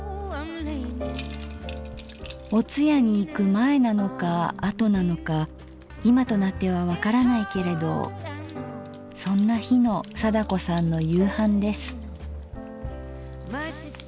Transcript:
お通夜に行く前なのか後なのか今となっては分からないけれどそんな日の貞子さんの夕飯です。